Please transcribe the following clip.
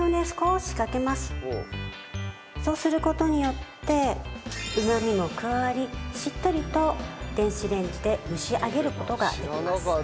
そうする事によってうまみも加わりしっとりと電子レンジで蒸し上げる事ができます。